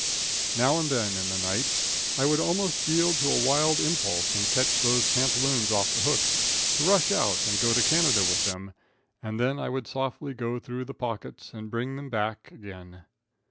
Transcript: Now and then in the night I would almost yield to a wild impulse and catch those pantaloons off the hook, to rush out and go to Canada with them, and then I would softly go through the pockets and hang them back again.